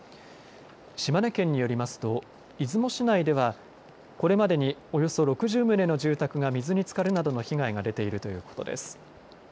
島根県によりますと出雲市内ではこれまでにおよそ６０棟の住宅が水につかるなどの被害が出ているということです。